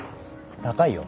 高いよ。